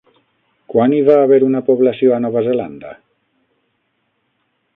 Quan hi va haver una població a Nova Zelanda?